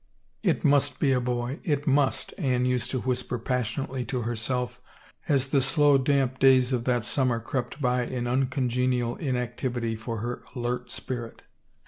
It must be a boy, it must, Anne used 268 T «:'■ i 1 1 I THE CHILD to whisper passionately to herself, as the slow, damp days of that summer crept by in uncongenial inactivity for her alert spirit.